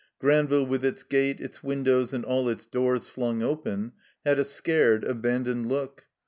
Granville with its gate, its windows, and all its doors flung open, had a scared, abandoned look.